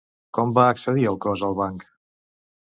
Com va accedir el cos al banc?